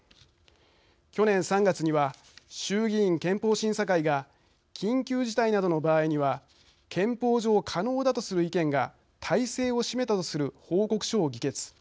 去年３月には衆議院憲法審査会が緊急事態などの場合には憲法上可能だとする意見が大勢を占めたとする報告書を議決。